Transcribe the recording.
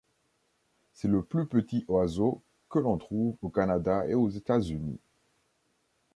C'est le plus petit oiseau que l'on trouve au Canada et aux États-Unis.